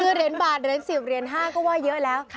คือเหรียญบาทเหรียญสระ๑๐บาทเหรียญ๕บาทก็ก็ว่าเยอะแล้วค่ะ